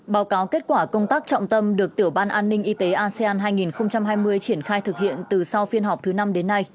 báo cáo kết quả công tác trọng tâm được tiểu ban an ninh y tế asean hai nghìn hai mươi triển khai thực hiện từ sau phiên họp thứ năm đến nay